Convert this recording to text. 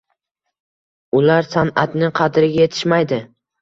Ular san’atning qadriga yetishmaydi.